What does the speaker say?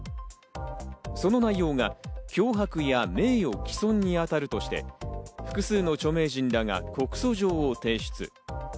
その内容が脅迫や名誉毀損にあたるとして、複数の著名人らが告訴状を提出。